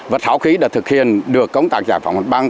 vật tháo khí đã thực hiện được công tác giải phóng mật băng